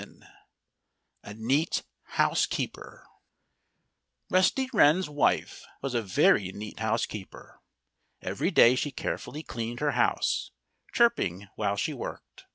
VII A NEAT HOUSEKEEPER Rusty Wren's wife was a very neat housekeeper. Every day she carefully cleaned her house, chirping while she worked.